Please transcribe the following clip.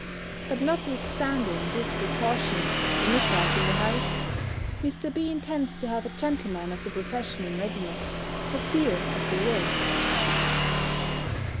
But notwithstanding this precaution, of a midwife in the house, Mr. B. intends to have a gentleman of the profession in readiness, for fear of the worst.